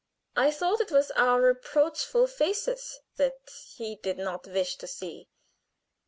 I thought it was our reproachful faces that he did not wish to see.